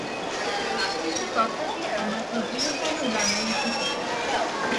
কিন্তু তথাপি আমরা এগুলির জন্য লালায়িত হই।